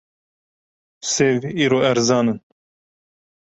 Sêv îro erzan in.